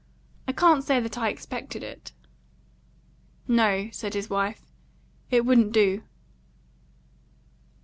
I can't say that I expected it." "No," said his wife, "it wouldn't do."